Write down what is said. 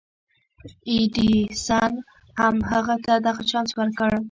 ايډېسن هم هغه ته دغه چانس ورکړ.